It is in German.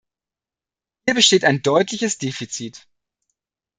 Hier besteht ein deutliches Defizit.